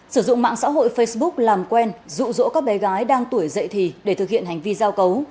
sử dụng mạng xã hội facebook làm quen rụ rỗ các bé gái đang tuổi dậy thì để thực hiện hành vi giao cấu